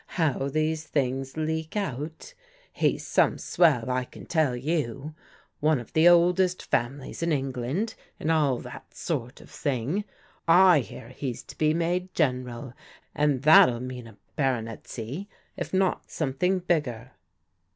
How these things leak out. He's some swell, I can tell you. One of the oldest families in England, and all that sort of thing. I hear he's to be made General, and that'll mean a baron etcy, if not something bigger."